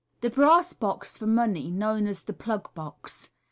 The Brass Box for Money, known as the "Plug box."